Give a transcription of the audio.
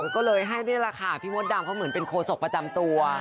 ก็เลยให้นี่แหละค่ะพี่มดดำเขาเหมือนเป็นโคศกประจำตัว